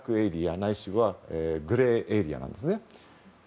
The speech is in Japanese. ないしはグレーエリアなんですね。